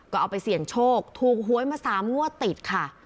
ก็เอาไปเสี่ยงโชคถูกหวยมา๓งวดติดค่ะ